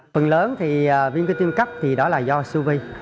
phần lớn thì viêm cơ tim cấp thì đó là do suvi